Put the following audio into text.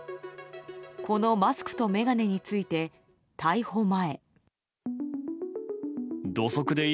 このマスクと眼鏡について逮捕前。